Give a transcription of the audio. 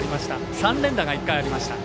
３連打が１回ありました。